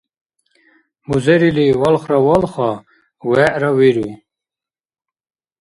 Бузерили валхра валха, вегӀра виру.